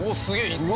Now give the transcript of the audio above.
いった！